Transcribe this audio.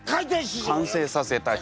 完成させた人。